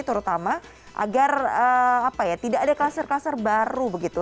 terutama agar tidak ada klaser klaser baru begitu